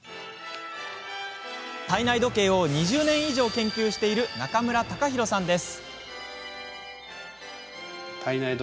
体内時計を２０年以上研究している中村孝博さんです。